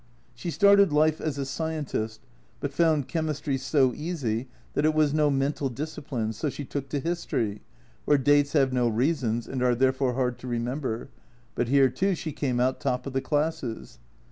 She started life as a scientist, but found chemistry so easy that it was no mental discipline, so she took to history, where dates have no reasons and are therefore hard to remember, but here, too, she came out top of the classes.